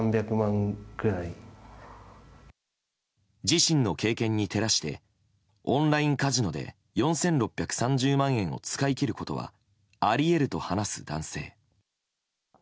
自身の経験に照らしてオンラインカジノで４６３０万円を使い切ることはあり得ると話す男性。